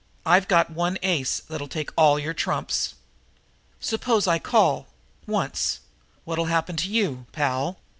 I've got one ace that'll take all your trumps. Suppose I call once what'll happen to you, pal?"